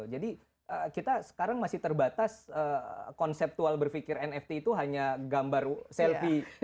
jadi kita sekarang masih terbatas konseptual berpikir nft itu hanya gambar selfie